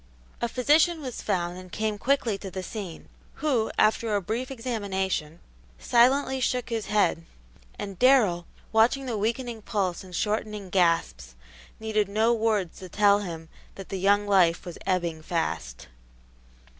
A physician was found and came quickly to the scene, who, after a brief examination, silently shook his head, and Darrell, watching the weakening pulse and shortening gasps, needed no words to tell him that the young life was ebbing fast.